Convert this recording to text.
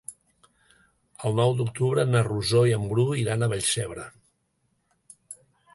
El nou d'octubre na Rosó i en Bru iran a Vallcebre.